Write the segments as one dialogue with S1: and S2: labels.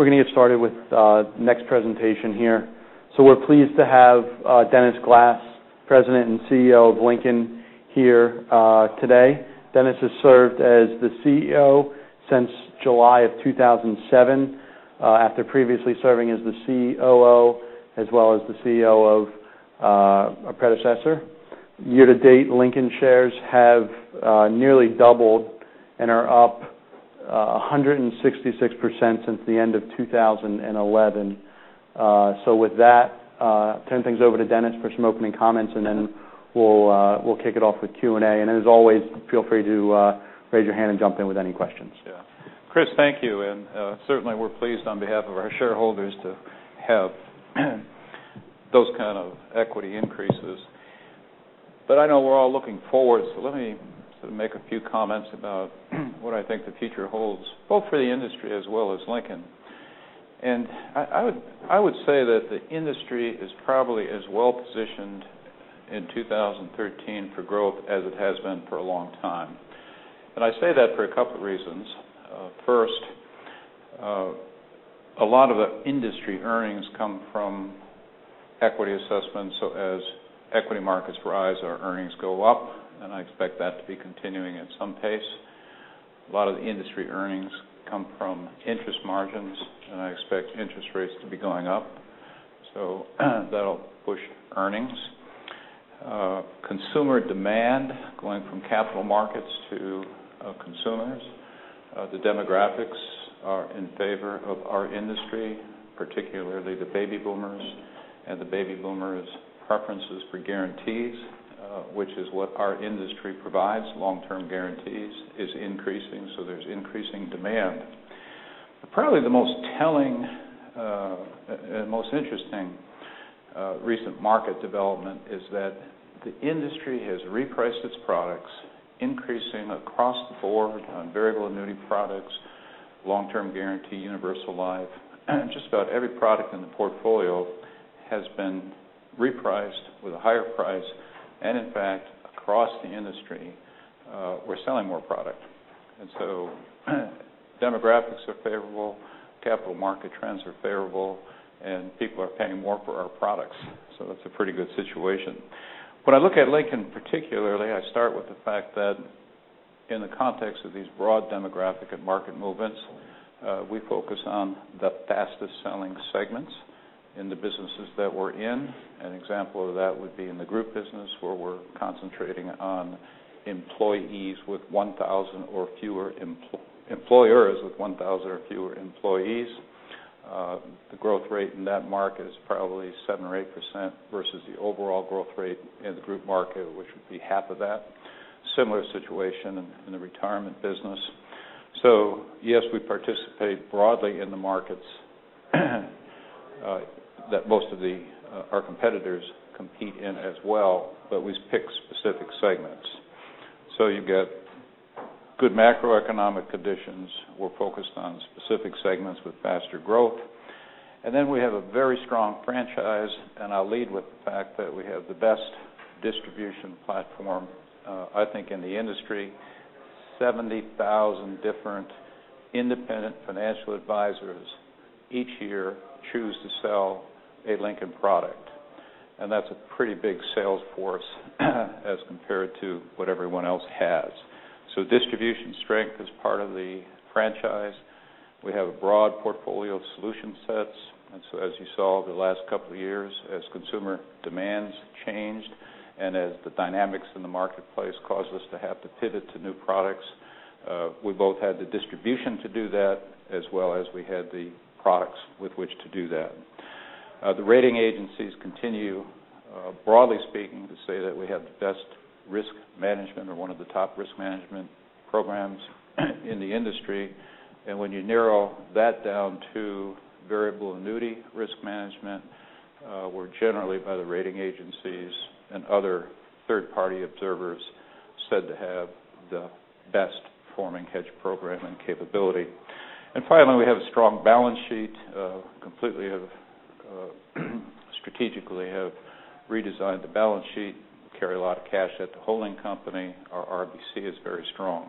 S1: We're going to get started with the next presentation here. We're pleased to have Dennis Glass, President and CEO of Lincoln here today. Dennis has served as the CEO since July of 2007, after previously serving as the COO, as well as the CEO of a predecessor. Year to date, Lincoln shares have nearly doubled and are up 166% since the end of 2011. With that, I'll turn things over to Dennis for some opening comments, then we'll kick it off with Q&A. As always, feel free to raise your hand and jump in with any questions.
S2: Yeah. Chris, thank you. Certainly, we're pleased on behalf of our shareholders to have those kind of equity increases. I know we're all looking forward, let me make a few comments about what I think the future holds, both for the industry as well as Lincoln. I would say that the industry is probably as well positioned in 2013 for growth as it has been for a long time. I say that for a couple reasons. First, a lot of the industry earnings come from equity assessments. As equity markets rise, our earnings go up, and I expect that to be continuing at some pace. A lot of the industry earnings come from interest margins, and I expect interest rates to be going up. That'll push earnings. Consumer demand, going from capital markets to consumers. The demographics are in favor of our industry, particularly the baby boomers, and the baby boomers' preferences for guarantees, which is what our industry provides, long-term guarantees, is increasing. There's increasing demand. Probably the most telling and most interesting recent market development is that the industry has repriced its products, increasing across the board on variable annuity products, long-term guarantee, universal life. Just about every product in the portfolio has been repriced with a higher price, and in fact, across the industry, we're selling more product. Demographics are favorable, capital market trends are favorable, and people are paying more for our products. That's a pretty good situation. When I look at Lincoln particularly, I start with the fact that in the context of these broad demographic and market movements, we focus on the fastest-selling segments in the businesses that we're in. An example of that would be in the group business, where we're concentrating on employers with 1,000 or fewer employees. The growth rate in that market is probably 7% or 8%, versus the overall growth rate in the group market, which would be half of that. Similar situation in the retirement business. Yes, we participate broadly in the markets that most of our competitors compete in as well, but we pick specific segments. You get good macroeconomic conditions. We're focused on specific segments with faster growth. We have a very strong franchise, and I'll lead with the fact that we have the best distribution platform, I think, in the industry. 70,000 different independent financial advisors each year choose to sell a Lincoln product, and that's a pretty big sales force as compared to what everyone else has. Distribution strength is part of the franchise. We have a broad portfolio of solution sets. As you saw over the last couple of years, as consumer demands changed and as the dynamics in the marketplace caused us to have to pivot to new products, we both had the distribution to do that, as well as we had the products with which to do that. The rating agencies continue, broadly speaking, to say that we have the best risk management or one of the top risk management programs in the industry. When you narrow that down to variable annuity risk management, we're generally, by the rating agencies and other third-party observers, said to have the best performing hedge program and capability. Finally, we have a strong balance sheet. Completely strategically have redesigned the balance sheet, carry a lot of cash at the holding company. Our RBC is very strong.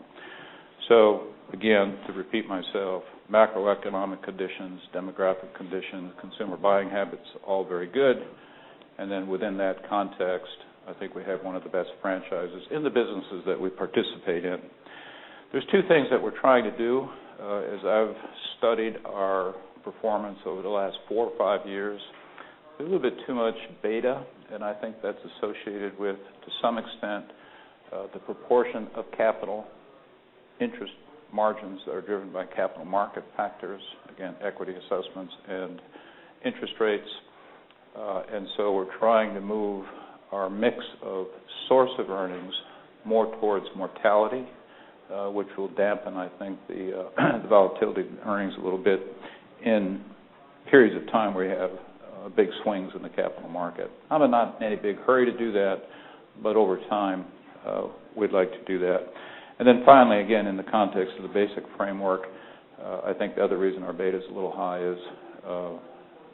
S2: Again, to repeat myself, macroeconomic conditions, demographic conditions, consumer buying habits, all very good. Within that context, I think we have one of the best franchises in the businesses that we participate in. There's two things that we're trying to do. As I've studied our performance over the last four or five years, a little bit too much beta, and I think that's associated with, to some extent, the proportion of capital interest margins that are driven by capital market factors, again, equity assessments and interest rates. We're trying to move our mix of source of earnings more towards mortality, which will dampen, I think, the volatility in earnings a little bit in periods of time where you have big swings in the capital market. I'm in not any big hurry to do that, but over time, we'd like to do that. Finally, again, in the context of the basic framework, I think the other reason our beta's a little high is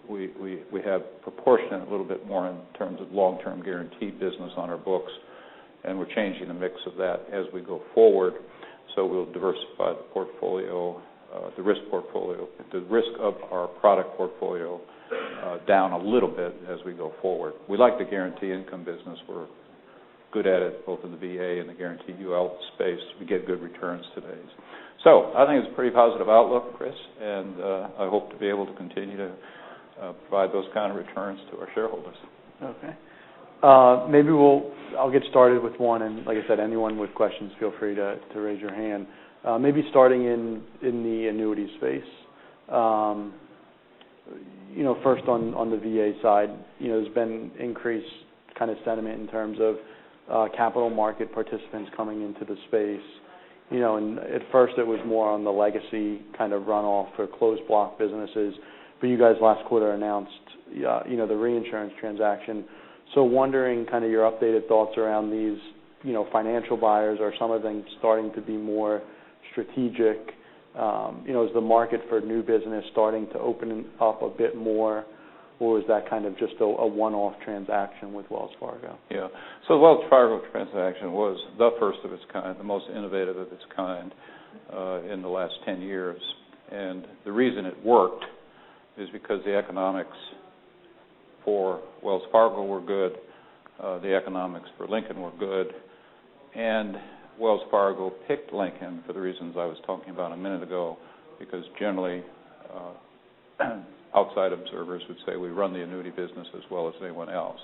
S2: we have proportion a little bit more in terms of long-term guaranteed business on our books. We're changing the mix of that as we go forward, so we'll diversify the risk of our product portfolio down a little bit as we go forward. We like the guarantee income business. We're good at it, both in the VA and the guaranteed UL space. We get good returns today. I think it's a pretty positive outlook, Chris, and I hope to be able to continue to provide those kind of returns to our shareholders.
S1: Okay. Maybe I'll get started with one and, like I said, anyone with questions, feel free to raise your hand. Maybe starting in the annuity space. First on the VA side, there's been increased sentiment in terms of capital market participants coming into the space. At first, it was more on the legacy runoff for closed block businesses, but you guys last quarter announced the reinsurance transaction. Wondering your updated thoughts around these financial buyers. Are some of them starting to be more strategic? Is the market for new business starting to open up a bit more, or is that just a one-off transaction with Wells Fargo?
S2: Wells Fargo transaction was the first of its kind, the most innovative of its kind in the last 10 years. The reason it worked is because the economics for Wells Fargo were good, the economics for Lincoln were good, and Wells Fargo picked Lincoln for the reasons I was talking about a minute ago, because generally, outside observers would say we run the annuity business as well as anyone else.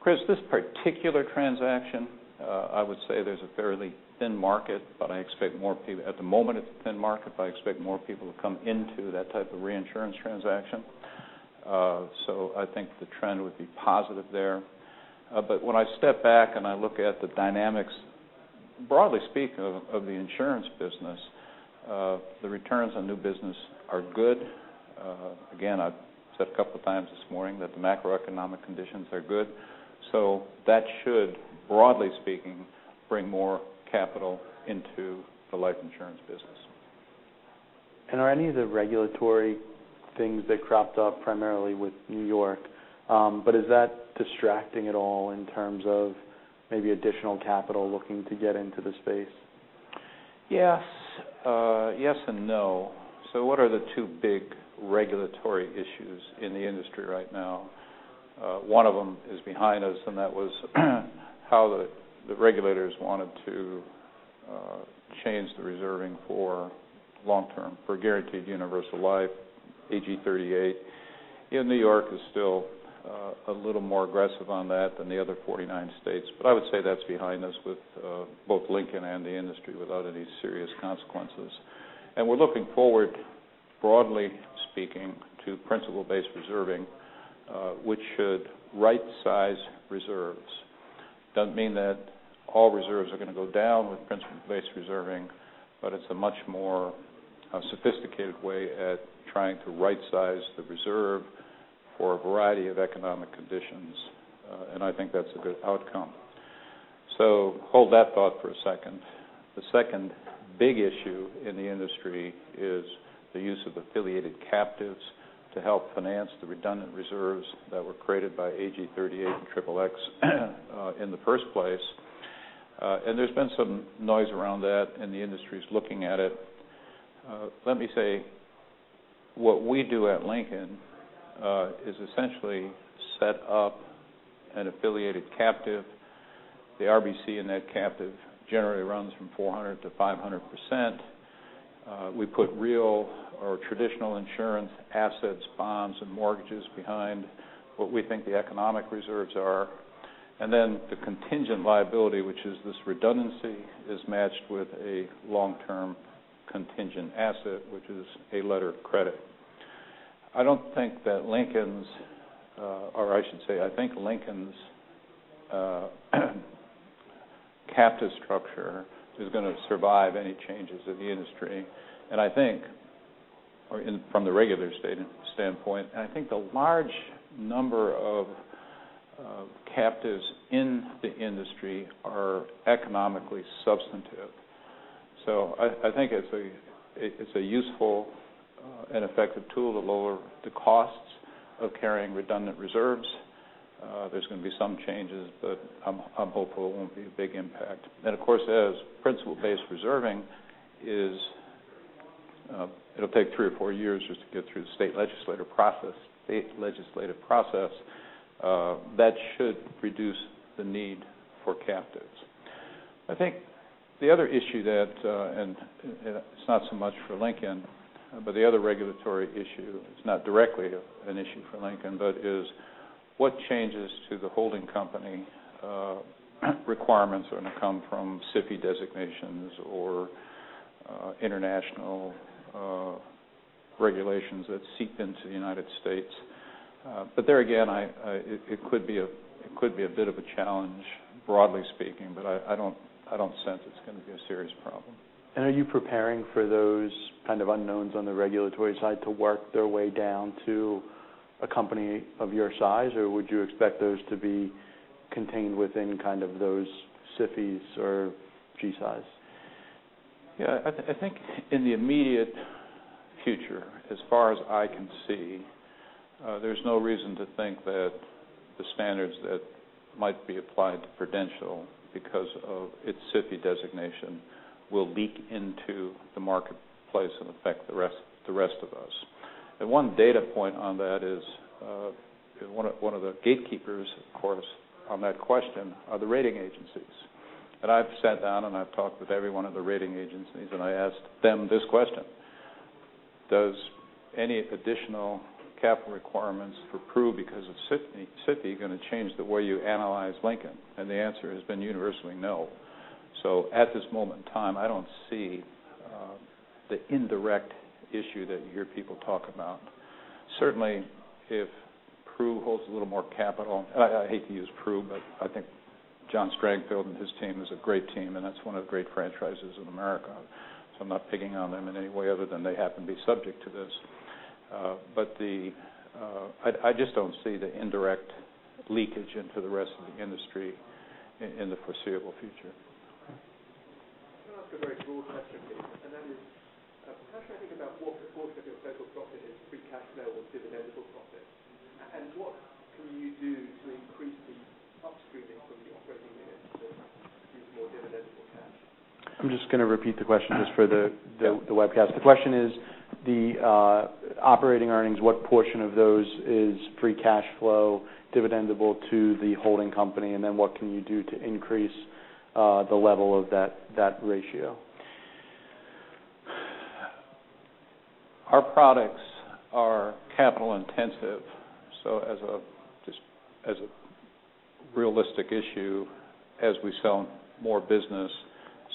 S2: Chris, this particular transaction, I would say there's a fairly thin market, but I expect more people at the moment, it's a thin market, but I expect more people to come into that type of reinsurance transaction. I think the trend would be positive there. When I step back and I look at the dynamics, broadly speaking, of the insurance business, the returns on new business are good. Again, I've said a couple times this morning that the macroeconomic conditions are good. That should, broadly speaking, bring more capital into the life insurance business.
S1: Are any of the regulatory things that cropped up primarily with N.Y., but is that distracting at all in terms of maybe additional capital looking to get into the space?
S2: Yes and no. What are the two big regulatory issues in the industry right now? One of them is behind us, and that was how the regulators wanted to change the reserving for long term, for guaranteed universal life. AG 38 in N.Y. is still a little more aggressive on that than the other 49 states. I would say that's behind us with both Lincoln and the industry without any serious consequences. We're looking forward, broadly speaking, to Principle-Based Reserving, which should right-size reserves. Doesn't mean that all reserves are going to go down with Principle-Based Reserving, but it's a much more sophisticated way at trying to right-size the reserve for a variety of economic conditions. I think that's a good outcome. Hold that thought for a second. The second big issue in the industry is the use of affiliated captives to help finance the redundant reserves that were created by AG 38 and Triple X in the first place. There's been some noise around that, and the industry's looking at it. Let me say, what we do at Lincoln is essentially set up an affiliated captive. The RBC in that captive generally runs from 400%-500%. We put real or traditional insurance assets, bonds, and mortgages behind what we think the economic reserves are. Then the contingent liability, which is this redundancy, is matched with a long-term contingent asset, which is a letter of credit. I think Lincoln's captive structure is going to survive any changes in the industry from the regulatory standpoint. I think the large number of captives in the industry are economically substantive. I think it's a useful and effective tool to lower the costs of carrying redundant reserves. There's going to be some changes, but I'm hopeful it won't be a big impact. Of course, as Principle-Based Reserving is it will take three or four years just to get through the state legislative process. That should reduce the need for captives. I think the other issue that, and it's not so much for Lincoln, but the other regulatory issue is not directly an issue for Lincoln, but is what changes to the holding company requirements are going to come from SIFI designations or international regulations that seep into the United States. There again, it could be a bit of a challenge, broadly speaking, but I don't sense it's going to be a serious problem.
S1: Are you preparing for those unknowns on the regulatory side to work their way down to a company of your size, or would you expect those to be contained within those SIFIs or G-SIIs?
S2: I think in the immediate future, as far as I can see, there's no reason to think that the standards that might be applied to Prudential because of its SIFI designation will leak into the marketplace and affect the rest of us. One data point on that is one of the gatekeepers, of course, on that question are the rating agencies. I've sat down and I've talked with every one of the rating agencies, I asked them this question: Does any additional capital requirements for Pru because of SIFI going to change the way you analyze Lincoln? The answer has been universally no. At this moment in time, I don't see the indirect issue that you hear people talk about. Certainly, if Pru holds a little more capital, I hate to use Pru, but I think John Strangfeld and his team is a great team, and that is one of the great franchises in America. I'm not picking on them in any way other than they happen to be subject to this. I just don't see the indirect leakage into the rest of the industry in the foreseeable future.
S3: Can I ask a very broad question, please? That is, how should I think about what proportion of your total profit is free cash flow or dividendable profit? What can you do to increase the upstreaming from the operating units to produce more dividendable cash?
S1: I'm just going to repeat the question just for the webcast. The question is the operating earnings, what portion of those is free cash flow dividendable to the holding company, what can you do to increase the level of that ratio?
S2: Our products are capital intensive, as a realistic issue, as we sell more business,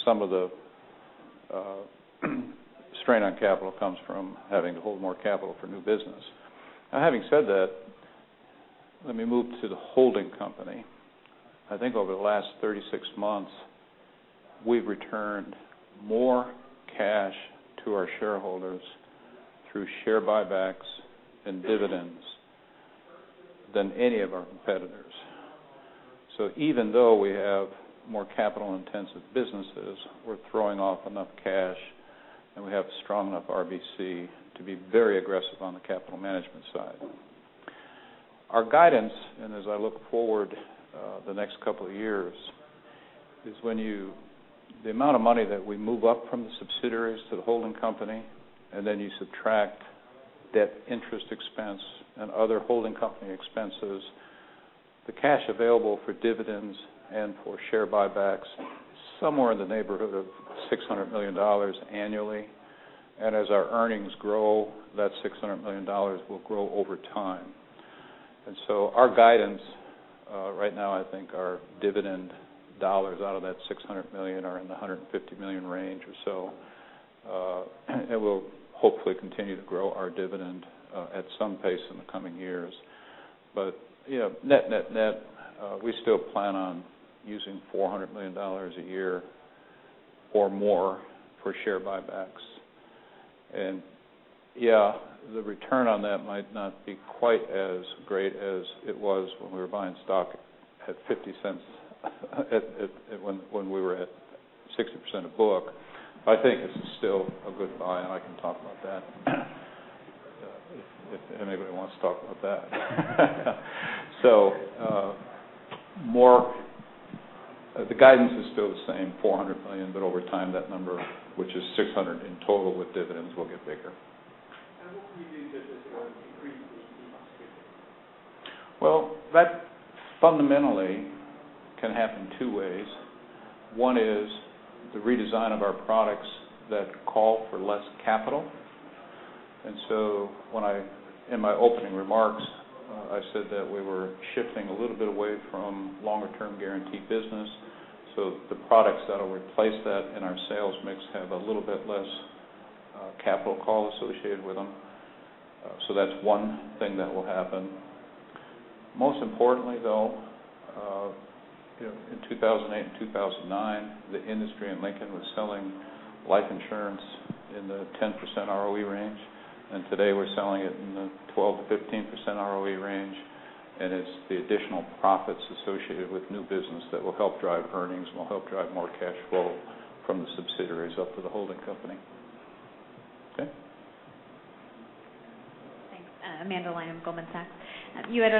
S2: some of the strain on capital comes from having to hold more capital for new business. Now, having said that, let me move to the holding company. I think over the last 36 months, we've returned more cash to our shareholders through share buybacks and dividends than any of our competitors. Even though we have more capital intensive businesses, we're throwing off enough cash and we have strong enough RBC to be very aggressive on the capital management side. Our guidance, as I look forward the next couple of years, is the amount of money that we move up from the subsidiaries to the holding company. Then you subtract debt interest expense and other holding company expenses, the cash available for dividends and for share buybacks, somewhere in the neighborhood of $600 million annually. As our earnings grow, that $600 million will grow over time. Our guidance right now, I think our dividend dollars out of that $600 million are in the $150 million range or so. We'll hopefully continue to grow our dividend at some pace in the coming years. Net, we still plan on using $400 million a year or more for share buybacks. Yeah, the return on that might not be quite as great as it was when we were buying stock at $0.50 when we were at 60% of book. I think this is still a good buy, and I can talk about that. If anybody wants to talk about that. The guidance is still the same, $400 million. Over time, that number, which is $600 in total with dividends, will get bigger.
S3: What can you do that is going to increase this upstream?
S2: Well, that fundamentally can happen two ways. One is the redesign of our products that call for less capital. In my opening remarks, I said that we were shifting a little bit away from longer term guaranteed business. The products that'll replace that in our sales mix have a little bit less capital call associated with them. That's one thing that will happen. Most importantly, though, in 2008 and 2009, the industry and Lincoln was selling life insurance in the 10% ROE range, and today we're selling it in the 12%-15% ROE range. It's the additional profits associated with new business that will help drive earnings and will help drive more cash flow from the subsidiaries up to the holding company. Okay.
S4: Thanks. Amanda Lynam, Goldman Sachs. You had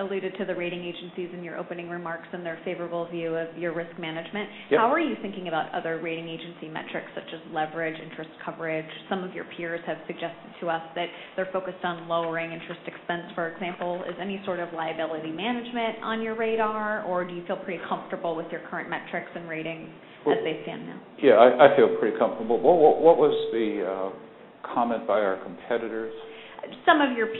S4: alluded to the rating agencies in your opening remarks and their favorable view of your risk management.
S2: Yes.
S4: How are you thinking about other rating agency metrics such as leverage, interest coverage? Some of your peers have suggested to us that they're focused on lowering interest expense, for example. Is any sort of liability management on your radar, or do you feel pretty comfortable with your current metrics and ratings as they stand now?
S2: Yeah, I feel pretty comfortable. What was the comment by our competitors?
S4: I was wondering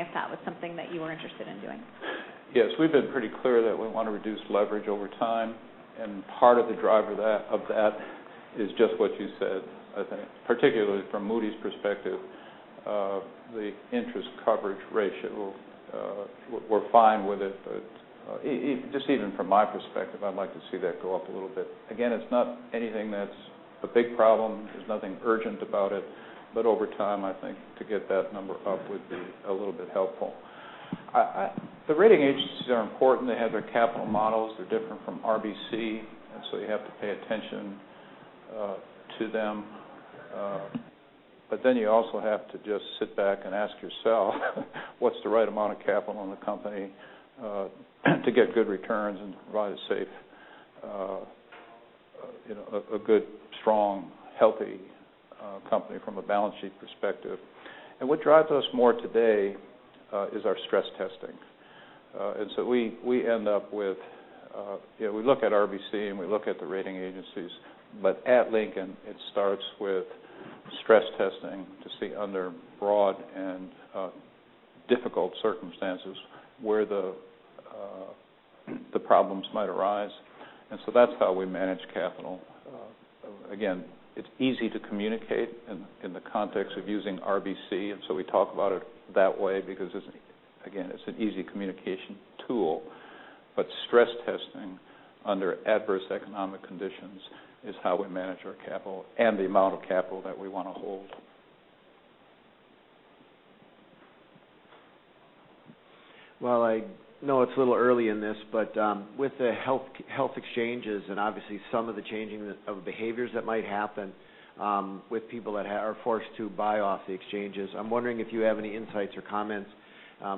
S4: if that was something that you were interested in doing.
S2: Yes, we've been pretty clear that we want to reduce leverage over time, and part of the drive of that is just what you said. I think particularly from Moody's perspective of the interest coverage ratio. We're fine with it. Just even from my perspective, I'd like to see that go up a little bit. Again, it's not anything that's a big problem. There's nothing urgent about it. Over time, I think to get that number up would be a little bit helpful. The rating agencies are important. They have their capital models. They're different from RBC, so you have to pay attention to them. You also have to just sit back and ask yourself, what's the right amount of capital in the company to get good returns and provide a good, strong, healthy company from a balance sheet perspective. What drives us more today is our stress testing. We look at RBC, and we look at the rating agencies. At Lincoln, it starts with stress testing to see under broad and difficult circumstances where the problems might arise. That's how we manage capital. Again, it's easy to communicate in the context of using RBC, we talk about it that way because, again, it's an easy communication tool. Stress testing under adverse economic conditions is how we manage our capital and the amount of capital that we want to hold.
S3: Well, I know it's a little early in this, with the health exchanges and obviously some of the changing of behaviors that might happen with people that are forced to buy off the exchanges, I'm wondering if you have any insights or comments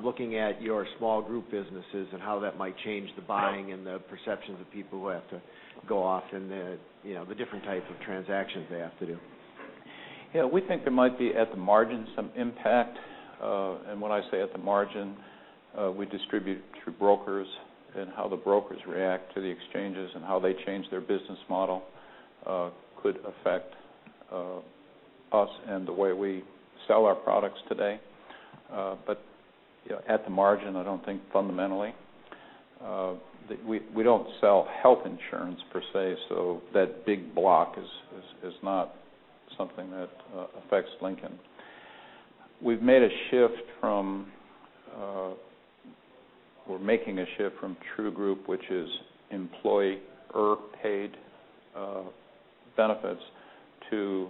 S3: looking at your small group businesses and how that might change the buying and the perceptions of people who have to go off and the different types of transactions they have to do.
S2: Yeah. We think there might be, at the margin, some impact. When I say at the margin, we distribute through brokers, and how the brokers react to the exchanges and how they change their business model could affect us and the way we sell our products today. At the margin, I don't think fundamentally. We don't sell health insurance per se, so that big block is not something that affects Lincoln. We're making a shift from True Group, which is employer-paid benefits, to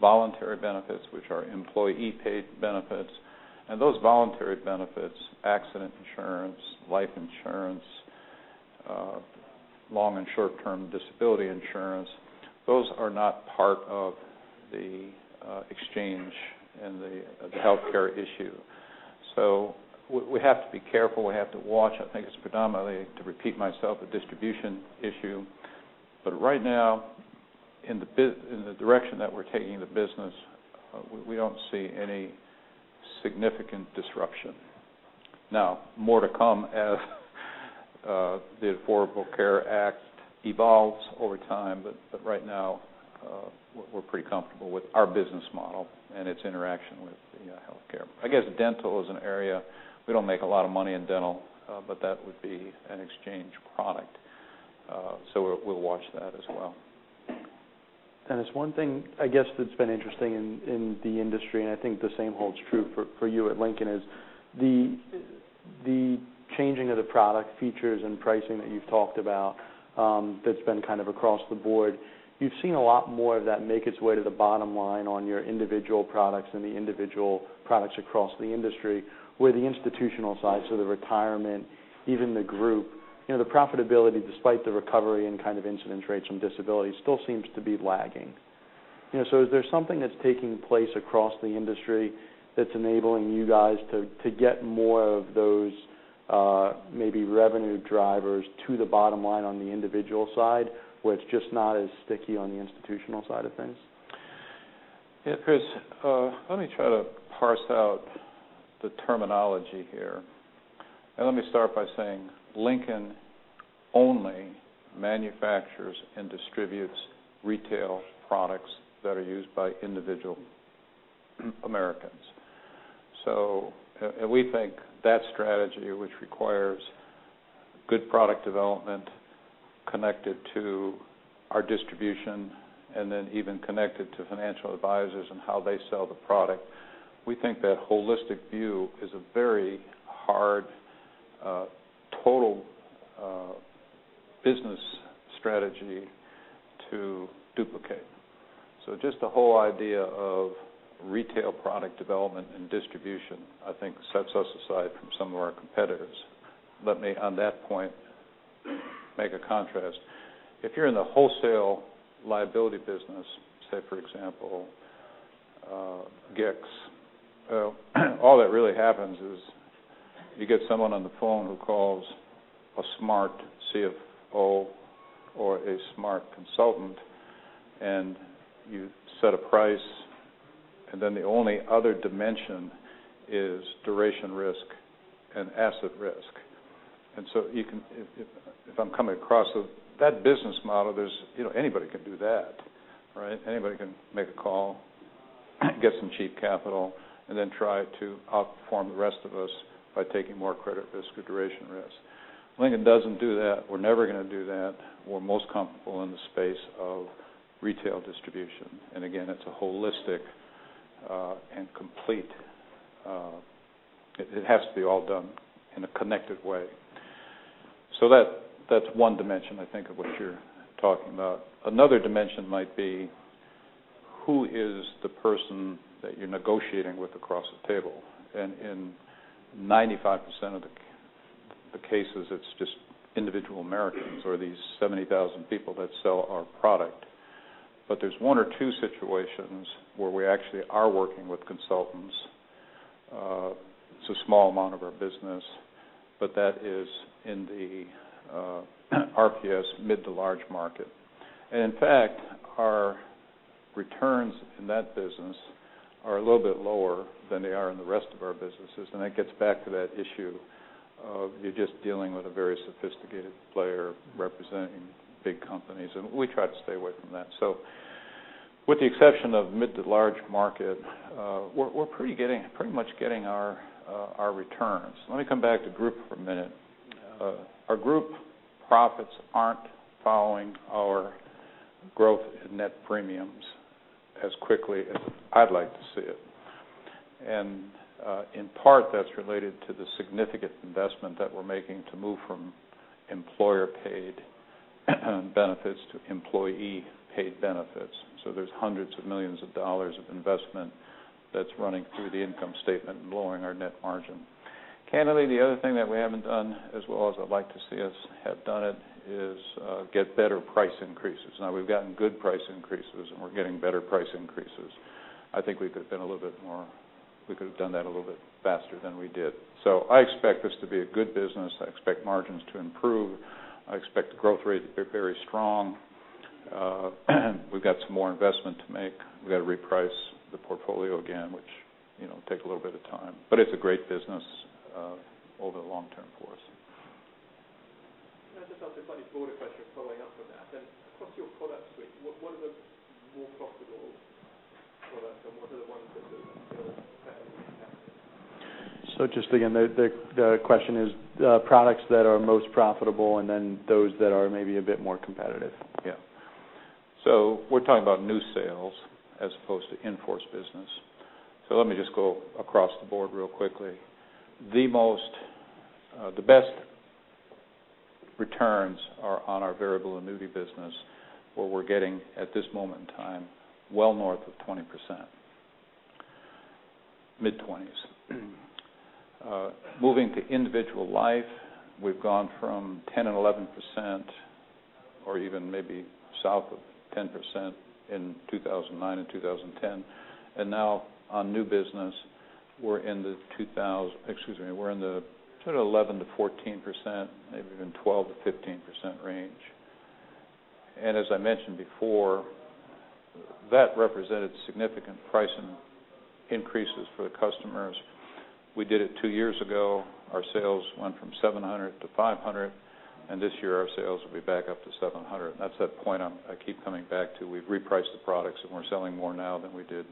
S2: voluntary benefits, which are employee-paid benefits. Those voluntary benefits, accident insurance, life insurance, long and short-term disability insurance, those are not part of the exchange and the healthcare issue. We have to be careful. We have to watch. I think it's predominantly, to repeat myself, a distribution issue. Right now, in the direction that we're taking the business, we don't see any significant disruption. More to come as the Affordable Care Act evolves over time. Right now, we're pretty comfortable with our business model and its interaction with healthcare. I guess dental is an area. We don't make a lot of money in dental, but that would be an exchange product. We'll watch that as well.
S3: It's one thing, I guess, that's been interesting in the industry, and I think the same holds true for you at Lincoln, is the changing of the product features and pricing that you've talked about that's been kind of across the board. You've seen a lot more of that make its way to the bottom line on your individual products and the individual products across the industry, where the institutional side, the retirement, even the group, the profitability, despite the recovery and kind of incident rates from disability, still seems to be lagging. Is there something that's taking place across the industry that's enabling you guys to get more of those, maybe revenue drivers to the bottom line on the individual side, where it's just not as sticky on the institutional side of things?
S2: Yeah, Chris, let me try to parse out the terminology here. Let me start by saying Lincoln only manufactures and distributes retail products that are used by individual Americans. We think that strategy, which requires good product development connected to our distribution and then even connected to financial advisors and how they sell the product, we think that holistic view is a very hard total business strategy to duplicate. Just the whole idea of retail product development and distribution, I think sets us aside from some of our competitors. Let me, on that point, make a contrast. If you're in the wholesale liability business, say, for example, GICS, all that really happens is you get someone on the phone who calls a smart CFO or a smart consultant, and you set a price, and then the only other dimension is duration risk and asset risk. If I'm coming across, that business model, anybody can do that. Anybody can make a call, get some cheap capital, and then try to outperform the rest of us by taking more credit risk or duration risk. Lincoln doesn't do that. We're never going to do that. We're most comfortable in the space of retail distribution. Again, it's holistic and complete. It has to be all done in a connected way. That's one dimension, I think, of what you're talking about. Another dimension might be who is the person that you're negotiating with across the table? In 95% of the cases, it's just individual Americans or these 70,000 people that sell our product. There's one or two situations where we actually are working with consultants. It's a small amount of our business, but that is in the RPS mid to large market. In fact, our returns in that business are a little bit lower than they are in the rest of our businesses, and that gets back to that issue of you're just dealing with a very sophisticated player representing big companies, and we try to stay away from that. With the exception of mid to large market, we're pretty much getting our returns. Let me come back to group for a minute. Our group profits aren't following our growth in net premiums as quickly as I'd like to see it. In part, that's related to the significant investment that we're making to move from employer-paid benefits to employee-paid benefits. There's hundreds of millions of dollars of investment that's running through the income statement and lowering our net margin. Candidly, the other thing that we haven't done as well as I'd like to see us have done it is get better price increases. Now we've gotten good price increases, and we're getting better price increases. I think we could've done that a little bit faster than we did. I expect this to be a good business. I expect margins to improve. I expect the growth rate to be very strong. We've got some more investment to make. We've got to reprice the portfolio again, which takes a little bit of time. It's a great business over the long term for us.
S3: Can I just ask a slightly broader question following up on that then? Across your product suite, what are the more profitable products and what are the ones that are still fairly competitive?
S1: Just again, the question is products that are most profitable and then those that are maybe a bit more competitive.
S2: Yeah. We're talking about new sales as opposed to in-force business. Let me just go across the board real quickly. The best returns are on our variable annuity business, where we're getting, at this moment in time, well north of 20%, mid-20s. Moving to individual life, we've gone from 10% and 11%, or even maybe south of 10% in 2009 and 2010, and now on new business, we're in the sort of 11%-14%, maybe even 12%-15% range. As I mentioned before, that represented significant price increases for the customers. We did it two years ago. Our sales went from 700 to 500, and this year our sales will be back up to 700. That's that point I keep coming back to. We've repriced the products, and we're selling more now than we did,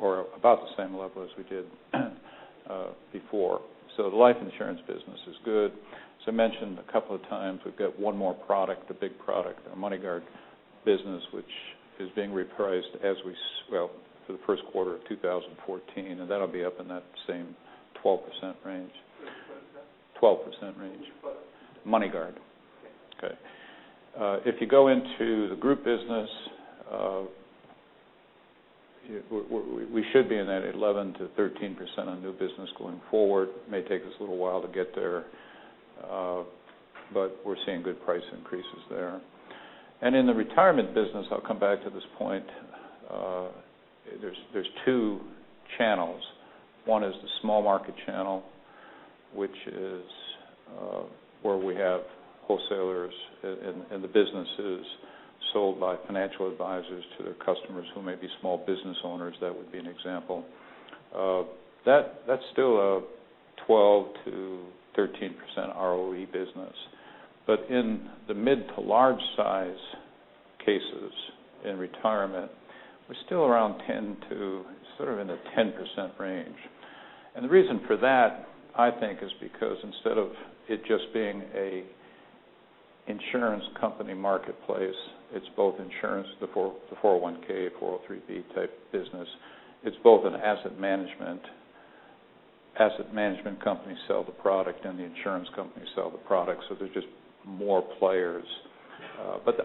S2: or about the same level as we did before. The life insurance business is good. As I mentioned a couple of times, we've got one more product, the big product, the MoneyGuard business, which is being repriced for the first quarter of 2014, That'll be up in that same 12% range.
S3: Which product is that?
S2: 12% range.
S3: Which product?
S2: MoneyGuard.
S3: Okay.
S2: If you go into the group business, we should be in that 11%-13% on new business going forward. It may take us a little while to get there, but we're seeing good price increases there. In the retirement business, I'll come back to this point, there's two channels. One is the small market channel, which is where we have wholesalers, and the business is sold by financial advisors to their customers, who may be small business owners. That would be an example. That's still a 12%-13% ROE business. In the mid to large size cases in retirement, we're still around 10% to sort of in the 10% range. The reason for that, I think, is because instead of it just being an insurance company marketplace, it's both insurance, the 401, 403 type business. It's both an asset management. Asset management companies sell the product and the insurance companies sell the product, so there's just more players.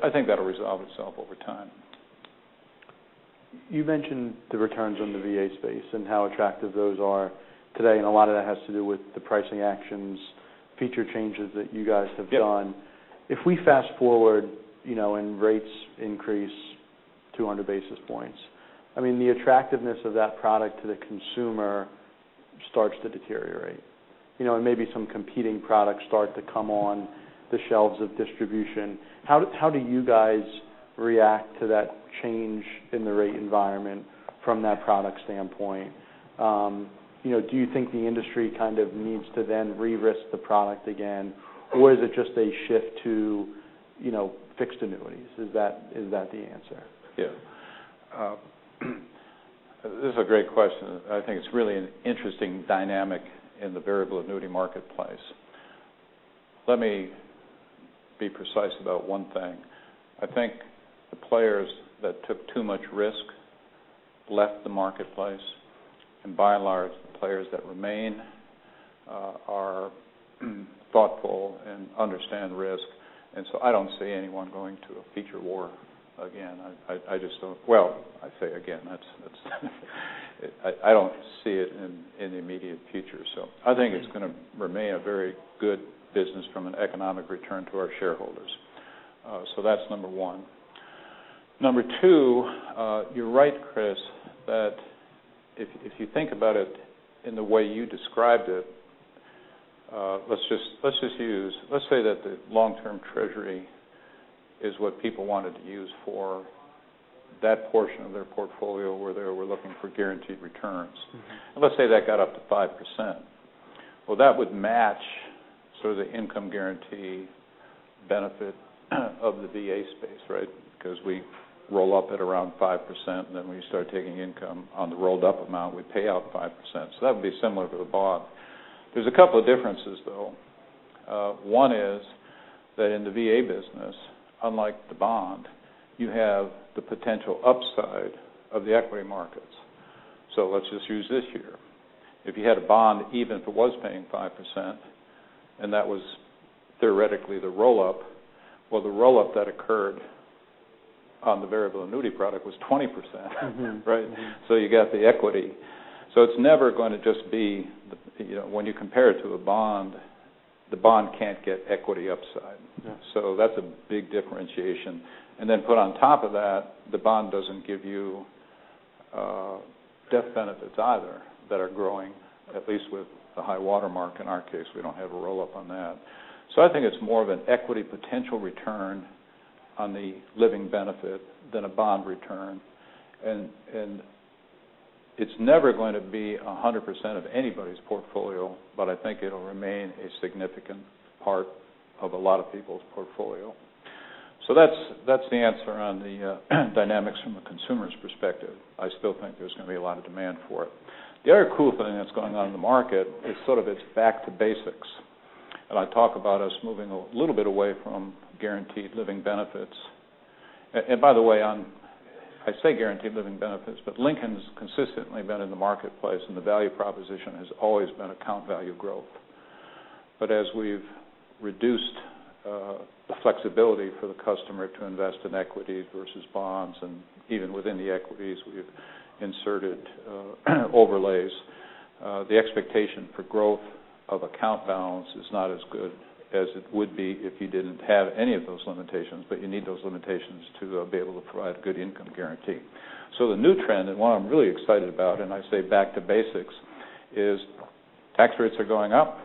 S2: I think that'll resolve itself over time.
S1: You mentioned the returns on the VA space and how attractive those are today, a lot of that has to do with the pricing actions, feature changes that you guys have done.
S2: Yeah.
S1: If we fast-forward and rates increase 200 basis points, the attractiveness of that product to the consumer starts to deteriorate. Maybe some competing products start to come on the shelves of distribution. How do you guys react to that change in the rate environment from that product standpoint? Do you think the industry kind of needs to then re-risk the product again, or is it just a shift to fixed annuities? Is that the answer?
S2: Yeah. This is a great question, and I think it's really an interesting dynamic in the variable annuity marketplace. Let me be precise about one thing. I think the players that took too much risk left the marketplace, and by and large, the players that remain are thoughtful and understand risk. I don't see anyone going to a feature war again. I just don't. Well, I say again. I don't see it in the immediate future. I think it's going to remain a very good business from an economic return to our shareholders. That's number one. Number two, you're right, Chris, that if you think about it in the way you described it. Let's say that the long-term treasury is what people wanted to use for that portion of their portfolio, where they were looking for guaranteed returns. Let's say that got up to 5%. Well, that would match the income guarantee benefit of the VA space, right? Because we roll up at around 5%, then we start taking income on the rolled-up amount. We pay out 5%. That would be similar to the bond. There's a couple of differences, though. One is that in the VA business, unlike the bond, you have the potential upside of the equity markets. Let's just use this year. If you had a bond, even if it was paying 5%, and that was theoretically the roll-up, well, the roll-up that occurred on the variable annuity product was 20%, right? You got the equity. It's never going to just be when you compare it to a bond, the bond can't get equity upside.
S1: Yeah.
S2: That's a big differentiation. Put on top of that, the bond doesn't give you death benefits either that are growing, at least with the high water mark in our case. We don't have a roll-up on that. I think it's more of an equity potential return on the living benefit than a bond return, and it's never going to be 100% of anybody's portfolio, but I think it'll remain a significant part of a lot of people's portfolio. That's the answer on the dynamics from a consumer's perspective. I still think there's going to be a lot of demand for it. The other cool thing that's going on in the market is it's back to basics, and I talk about us moving a little bit away from guaranteed living benefits. By the way, I say guaranteed living benefits, but Lincoln's consistently been in the marketplace, and the value proposition has always been account value growth. As we've reduced the flexibility for the customer to invest in equities versus bonds, and even within the equities, we've inserted overlays. The expectation for growth of account balance is not as good as it would be if you didn't have any of those limitations, but you need those limitations to be able to provide good income guarantee. The new trend, and one I'm really excited about, and I say back to basics, is tax rates are going up,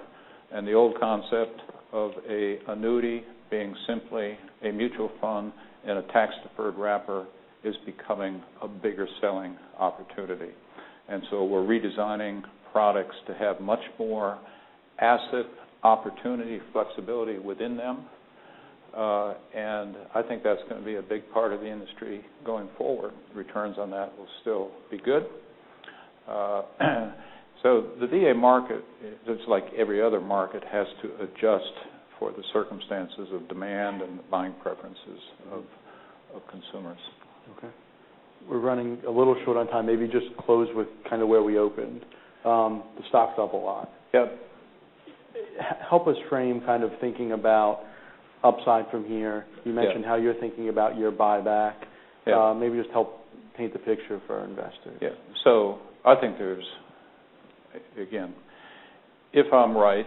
S2: and the old concept of an annuity being simply a mutual fund in a tax deferred wrapper is becoming a bigger selling opportunity. We're redesigning products to have much more asset opportunity flexibility within them. I think that's going to be a big part of the industry going forward. Returns on that will still be good. The VA market, just like every other market, has to adjust for the circumstances of demand and the buying preferences of consumers.
S1: Okay. We're running a little short on time. Maybe just close with where we opened. The stock's up a lot.
S2: Yep.
S1: Help us frame thinking about upside from here.
S2: Yeah.
S1: You mentioned how you're thinking about your buyback.
S2: Yeah.
S1: Just help paint the picture for our investors.
S2: Yeah. I think there's, again, if I'm right,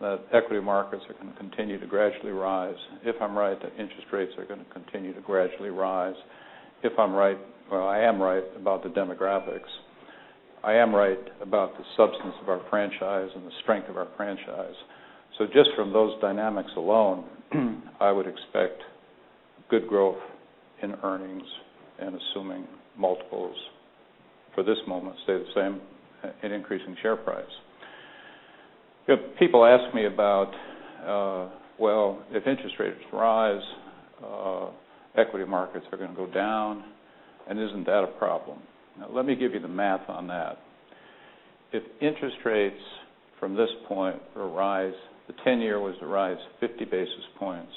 S2: the equity markets are going to continue to gradually rise. If I'm right, the interest rates are going to continue to gradually rise. Well, I am right about the demographics. I am right about the substance of our franchise and the strength of our franchise. Just from those dynamics alone, I would expect good growth in earnings and assuming multiples for this moment stay the same, an increase in share price. People ask me about, well, if interest rates rise, equity markets are going to go down, isn't that a problem? Now let me give you the math on that. If interest rates from this point were to rise, the 10-year was to rise 50 basis points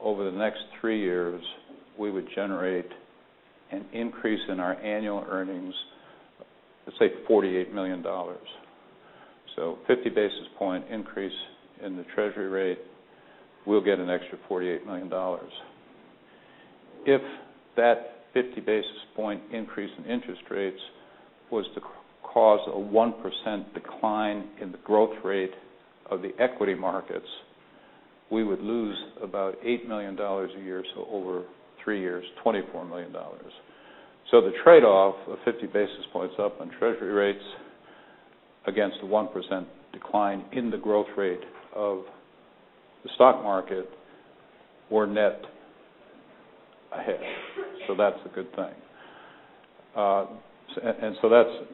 S2: over the next three years, we would generate an increase in our annual earnings of, let's say, $48 million. 50 basis point increase in the treasury rate, we'll get an extra $48 million. If that 50 basis point increase in interest rates was to cause a 1% decline in the growth rate of the equity markets, we would lose about $8 million a year. Over 3 years, $24 million. The trade-off of 50 basis points up on treasury rates against a 1% decline in the growth rate of the stock market, we're net ahead. That's a good thing. That's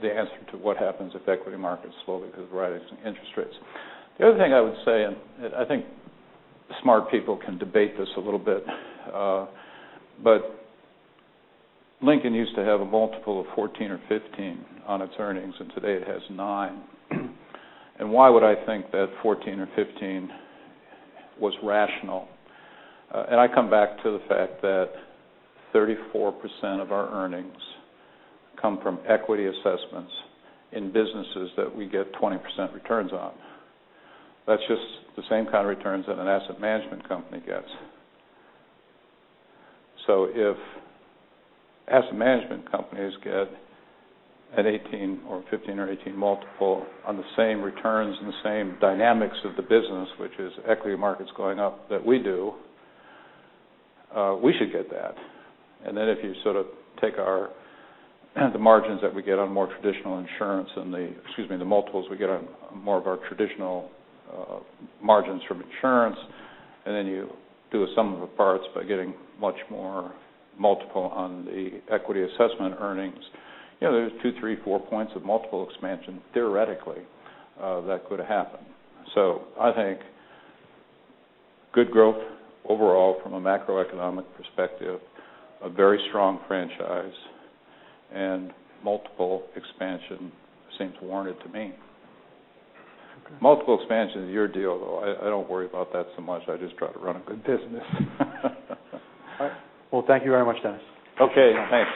S2: the answer to what happens if equity markets slowly because of rising interest rates. The other thing I would say, and I think smart people can debate this a little bit, but Lincoln used to have a multiple of 14 or 15 on its earnings, and today it has 9. Why would I think that 14 or 15 was rational? I come back to the fact that 34% of our earnings come from equity assessments in businesses that we get 20% returns on. That's just the same kind of returns that an asset management company gets. If asset management companies get an 18 or 15 or 18 multiple on the same returns and the same dynamics of the business, which is equity markets going up that we do, we should get that. If you take the margins that we get on more traditional insurance and the, excuse me, the multiples we get on more of our traditional margins from insurance, then you do a sum of the parts by getting much more multiple on the equity assessment earnings. There's 2, 3, 4 points of multiple expansion, theoretically, that could happen. I think good growth overall from a macroeconomic perspective, a very strong franchise, and multiple expansion seems warranted to me.
S1: Okay.
S2: Multiple expansion is your deal, though. I don't worry about that so much. I just try to run a good business.
S1: All right. Well, thank you very much, Dennis.
S2: Okay, thanks.